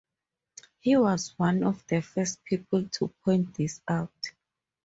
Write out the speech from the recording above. He was one of the first people to point this out.